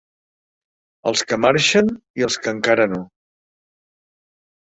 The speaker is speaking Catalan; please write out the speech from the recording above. Els que marxen i els que encara no.